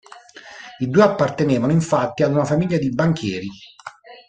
I due appartenevano infatti ad una famiglia di banchieri.